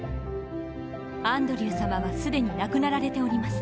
アンドリューさまは既に亡くなられております。